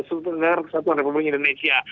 sultan negara kesatuan republik indonesia